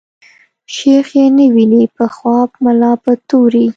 شيخ ئې نه ويني په خواب ملا په توري